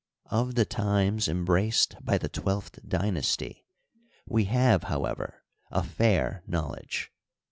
Of the times embraced by the twelfth d)masty we have, however, a fair knowledge.